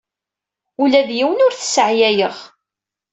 Ula d yiwen ur t-sseɛyayeɣ.